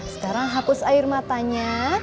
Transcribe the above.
sekarang hapus air matanya